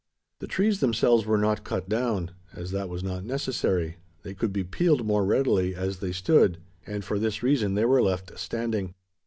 The trees themselves were not cut down; as that was not necessary. They could be peeled more readily, as they stood; and for this reason they were left standing.